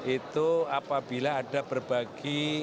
itu apabila ada berbagi